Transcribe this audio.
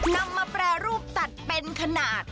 นำมาแปรรูปตัดเป็นขนาด